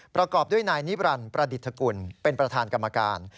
ประกอบด้วยนายนิบรันดิประดิษฐกุลเป็นประธานกรรมการ